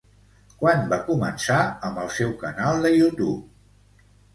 Quan va començar amb el seu canal de Youtube?